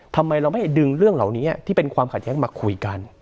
ทำไมเราไม่ดึงเรื่องเหล่านี้ที่เป็นความขัดแย้งมาคุยกัน